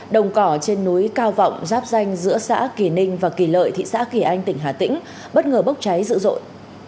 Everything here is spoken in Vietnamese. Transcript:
đồng cỏ trên núi cao vọng giáp danh giữa xã kỳ ninh và kỳ lợi thị xã kỳ anh tỉnh hà tĩnh bất ngờ bốc cháy dữ dội